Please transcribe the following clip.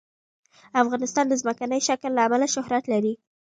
افغانستان د ځمکنی شکل له امله شهرت لري.